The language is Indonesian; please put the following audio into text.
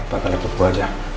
pakai laptop gua aja